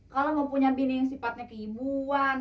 kalo mau punya bini yang sifatnya keibuan